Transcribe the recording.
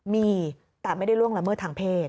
มีแต่ไม่ได้ล่วงละเมิดทางเพศ